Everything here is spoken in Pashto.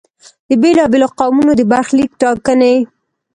د بېلا بېلو قومونو د برخلیک ټاکنې.